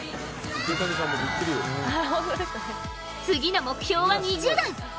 次の目標は２０段。